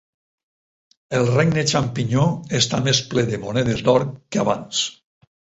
El Regne Xampinyó està més ple de monedes d'or que abans.